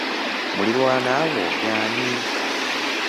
Muliraanwa wo ye ani?